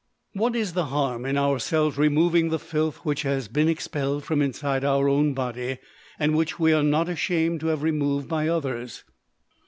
What is the harm in ourselves removing the filth which has been expelled from inside our own body, and which we are not ashamed to have removed by others?